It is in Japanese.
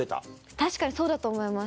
確かにそうだと思います